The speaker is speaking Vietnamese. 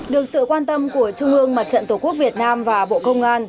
được sự quan tâm của trung ương mặt trận tổ quốc việt nam và bộ công an